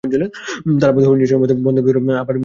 তারাপদ হরিণশিশুর মতো বন্ধনভীরু, আবার হরিণেরই মতো সংগীতমুগ্ধ।